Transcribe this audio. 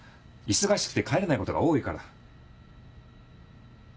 忙しくて帰れないことが多いから。